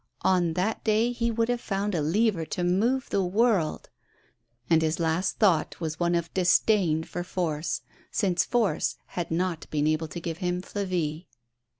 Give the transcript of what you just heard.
" on that day he could have found a lever to move the world I And his last thought was one of disdain for force ; since force had not been able to give him Flavie.